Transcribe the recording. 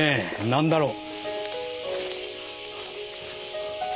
何やろう。